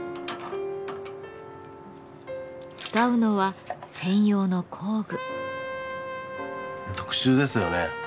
使うのは専用の工具。